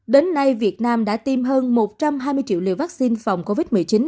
đến nay việt nam đã tiêm hơn một trăm hai mươi triệu liều vaccine phòng covid một mươi chín